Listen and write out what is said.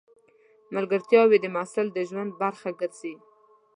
ملګرتیاوې د محصل د ژوند برخه ګرځي.